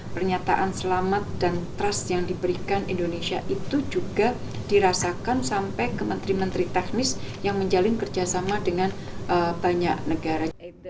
pernyataan selamat dan trust yang diberikan indonesia itu juga dirasakan sampai ke menteri menteri teknis yang menjalin kerjasama dengan banyak negara